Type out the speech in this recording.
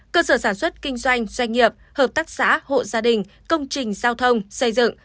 cơ sở sản xuất kinh doanh doanh nghiệp hợp tác xã hộ gia đình công trình giao thông xây dựng